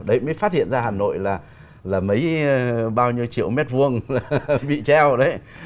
đấy mới phát hiện ra hà nội là mấy bao nhiêu triệu mét vuông bị treo đấy